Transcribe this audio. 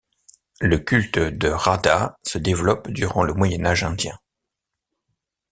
Le culte de Radha se développe durant le Moyen Âge indien.